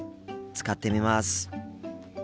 使ってみます。